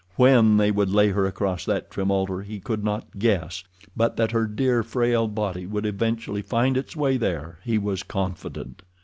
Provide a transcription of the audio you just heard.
When they would lay her across that trim altar he could not guess, but that her dear, frail body would eventually find its way there he was confident.